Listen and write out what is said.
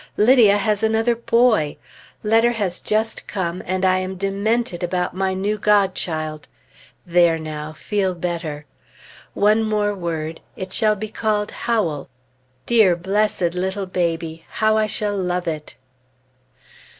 Lydia has another boy! Letter has just come, and I am demented about my new godchild! There now! feel better! One more word it shall be called "Howell." Dear, blessed little baby! how I shall love it!